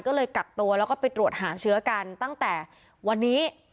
ก็เลยกักตัวแล้วก็ไปตรวจหาเชื้อกันตั้งแต่วันนี้